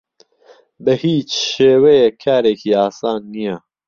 بە هیچ شێوەیەک کارێکی ئاسان نییە.